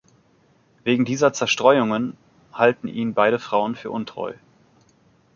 Wegen dieser Zerstreuungen halten ihn beide Frauen für untreu.